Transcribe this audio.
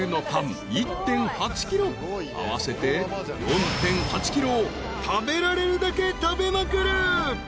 ［合わせて４．８ｋｇを食べられるだけ食べまくる］